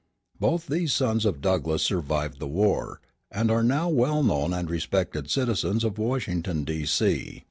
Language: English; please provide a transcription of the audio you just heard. Both these sons of Douglass survived the war, and are now well known and respected citizens of Washington, D.C.